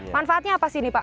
manfaatnya apa sih ini pak